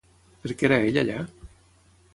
Per què era ell allà?